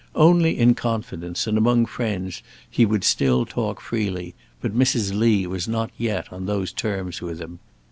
Only in confidence and among friends he would still talk freely, but Mrs. Lee was not yet on those terms with him.